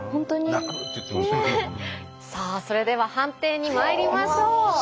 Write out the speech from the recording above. さあそれでは判定にまいりましょう。